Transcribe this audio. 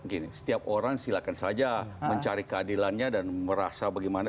gini setiap orang silakan saja mencari keadilannya dan merasa bagaimana